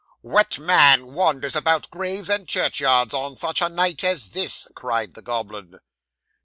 '"What man wanders among graves and churchyards on such a night as this?" cried the goblin.